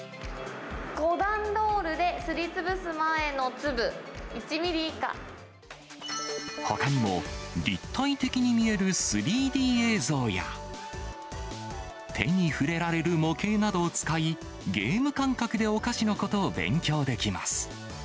５段ロールですりつぶす前のほかにも、立体的に見える３Ｄ映像や、手に触れられる模型などを使い、ゲーム感覚でお菓子のことを勉強できます。